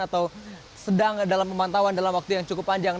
atau sedang dalam pemantauan dalam waktu yang cukup panjang